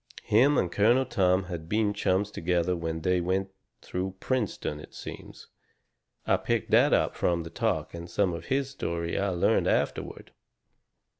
Him and Colonel Tom had been chums together when they went through Princeton, it seems I picked that up from the talk and some of his story I learned afterward.